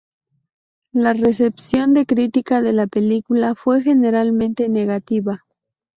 La recepción de crítica de la película fue generalmente negativa.